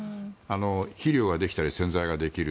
肥料ができたり洗剤ができる。